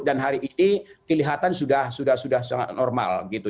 dan hari ini kelihatan sudah sudah sangat normal gitu